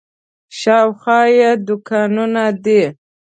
شاوخوا یې دوکانونه دي.